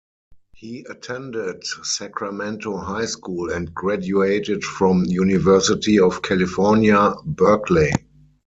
He attended Sacramento High School and graduated from University of California, Berkeley.